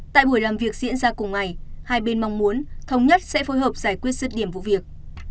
tại buổi làm việc diễn ra cùng ngày hai bên mong muốn thống nhất sẽ phối hợp giải quyết rứt điểm vụ việc